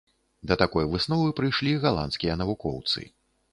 Да такой высновы прыйшлі галандскія навукоўцы.